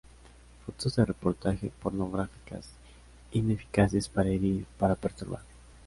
Fotos de reportaje, pornográficas, ineficaces para herir, para perturbar.